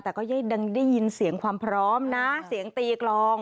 แต่ก็ยังได้ยินเสียงความพร้อมนะเสียงตีกลอง